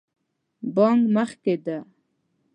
بانک مخکې ده